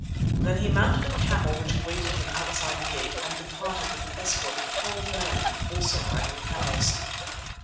Then he mounted a camel which awaited him outside the gate and departed with an escort of twelve men, also riding camels.